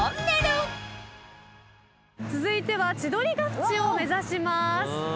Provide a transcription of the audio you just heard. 続いては千鳥ヶ淵を目指します。